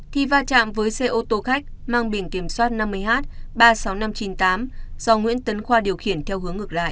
thì va chạm với xe ô tô khách mang biển kiểm soát năm mươi h ba mươi sáu nghìn năm trăm chín mươi tám do nguyễn tấn khoa điều khiển theo hướng ngược lại